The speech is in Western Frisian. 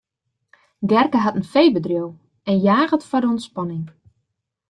Gerke hat in feebedriuw en jaget foar de ûntspanning.